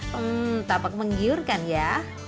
hmm tampak menggiurkan ya